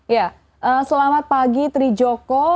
ya selamat pagi trijoko